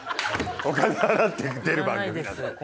お金払って出る番組なんて。